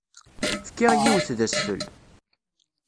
Fkiɣ yiwet d asfel.